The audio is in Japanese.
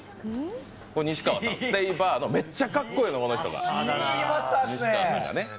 これ西川さん、スペインバーの、めっちゃかっこいいの、この人が。